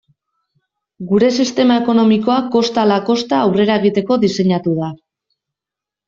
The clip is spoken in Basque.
Gure sistema ekonomikoa kosta ala kosta aurrera egiteko diseinatu da.